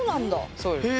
そうです。